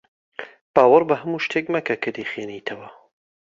باوەڕ بە هەموو شتێک مەکە کە دەیخوێنیتەوە.